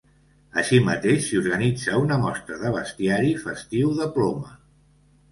Així mateix, s’hi organitza una mostra de bestiari festiu de ploma.